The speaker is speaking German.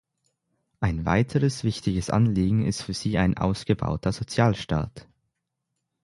Ein weiteres wichtiges Anliegen ist für sie ein ausgebauter Sozialstaat.